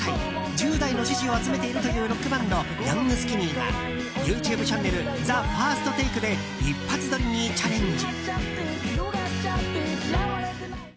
１０代の支持を集めているというロックバンド、ヤングスキニーがＹｏｕＴｕｂｅチャンネル「ＴＨＥＦＩＲＳＴＴＡＫＥ」で一発撮りにチャレンジ。